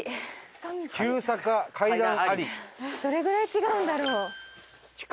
どれぐらい違うんだろう？